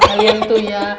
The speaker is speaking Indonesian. oh kalian tuh ya